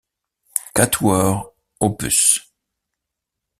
Quatuor op.